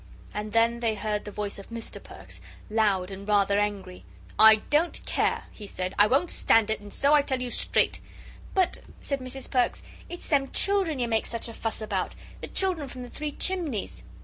And then they heard the voice of Mr. Perks, loud and rather angry. "I don't care," he said; "I won't stand it, and so I tell you straight." "But," said Mrs. Perks, "it's them children you make such a fuss about the children from the Three Chimneys."